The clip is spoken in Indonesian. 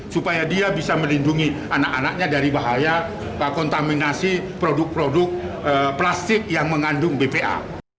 supaya dia bisa melindungi anak anaknya dari bahaya kontaminasi produk produk plastik yang mengandung bpa